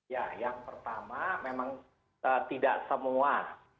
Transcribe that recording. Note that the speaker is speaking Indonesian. ya yang pertama memang tidak semua